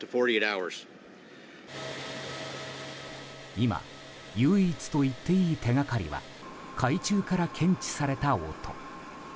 今、唯一といっていい手がかりは海中から検知された音。